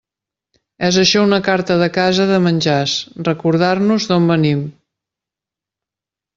És això una carta de casa de menjars: recordar-nos d'on venim.